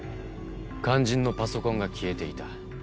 肝心のパソコンが消えていた。